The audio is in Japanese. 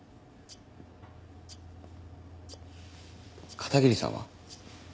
片桐さんは？